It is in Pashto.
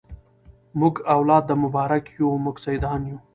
موږ اولاد د مبارک یو موږ سیدان یو